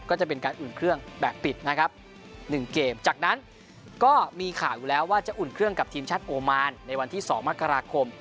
จะเป็นการอุ่นเครื่องแบบปิดนะครับ๑เกมจากนั้นก็มีข่าวอยู่แล้วว่าจะอุ่นเครื่องกับทีมชาติโอมานในวันที่๒มกราคม